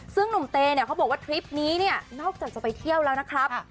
ซึ่งหนุ่มเตเนี่ยเขาบอกว่าทริปนี้เนี่ยนอกจากจะไปเที่ยวแล้วนะครับ